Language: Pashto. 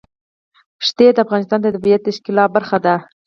ښتې د افغانستان د طبیعت د ښکلا برخه ده.